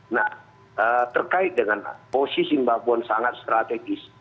nah terkait dengan posisi mbak puan sangat strategis